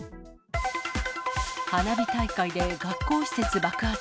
花火大会で学校施設爆発。